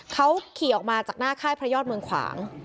เขาขี่ออกมาจากหน้าค่ายพระยอดเมืองขวาง